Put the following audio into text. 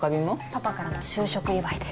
パパからの就職祝いで。